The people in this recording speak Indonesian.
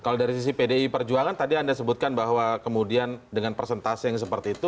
kalau dari sisi pdi perjuangan tadi anda sebutkan bahwa kemudian dengan presentase yang seperti itu